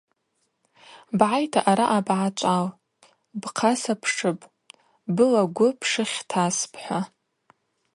Бгӏайта араъа бгӏачӏвал, бхъа сапшыпӏ, былагвы пшыхь таспӏ – хӏва.